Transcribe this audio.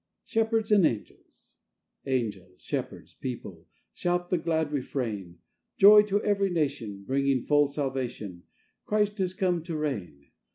(Shepherds and Angels)Angels, Shepherds, People, Shout the glad refrain! Joy to every nationBringing full salvation, Christ has come to reign.